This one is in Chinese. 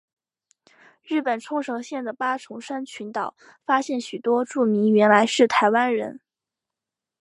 日本冲绳县的八重山群岛发现许多住民原来是台湾人。